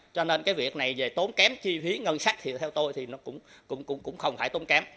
cho nên cái việc này về tốn kém chi phí ngân sách thì theo tôi thì nó cũng không phải tốn kém